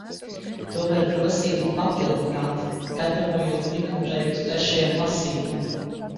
To var grozīt un papildināt, gatavojot likumprojektu trešajam lasījumam.